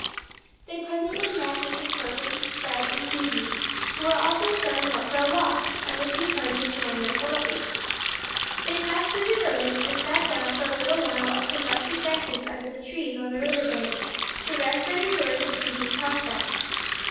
They presently met Mrs. Perkins, Fred and Susie, who were also starting out for a walk, and the two parties joined their forces. They passed through the village, and sat down for a little while on some rustic benches under the trees on the river bank, to rest and enjoy the pleasing prospect.